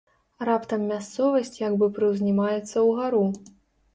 Раптам мясцовасць як бы прыўзнімаецца ўгару.